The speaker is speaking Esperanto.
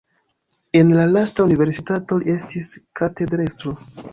En la lasta universitato li estis katedrestro.